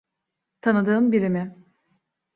Tanıdığın biri mi?